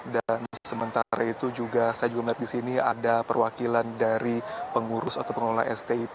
dan sementara itu juga saya juga melihat di sini ada perwakilan dari pengurus atau pengelola stip